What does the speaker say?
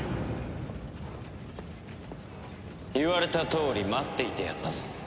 言われたとおり待っていてやったぞ。